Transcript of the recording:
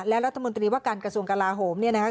และรัฐมนตรีว่าการกระทรวงกลาโหมเนี่ยนะคะ